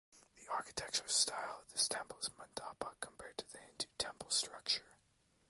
The Architecture style of this temple is Mandapa compared to the Hindu temple structure.